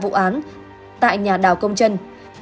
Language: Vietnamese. sau khi xảy ra vụ án tại nhà đào công trân